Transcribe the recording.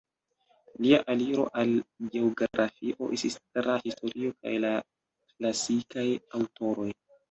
Lia aliro al geografio estis tra historio kaj la klasikaj aŭtoroj.